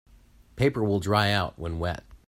Paper will dry out when wet.